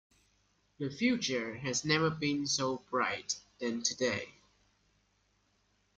The future has never been so bright than today.